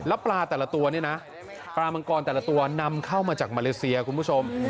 แล้วปลาแต่ละตัวเนี่ยนะปลามังกรแต่ละตัวนำเข้ามาจากมาเลเซียคุณผู้ชม